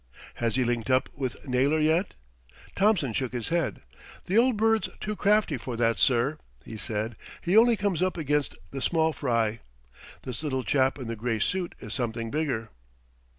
"Has he linked up with Naylor yet?" Thompson shook his head. "The old bird's too crafty for that, sir," he said. "He only comes up against the small fry. This little chap in the grey suit is something bigger."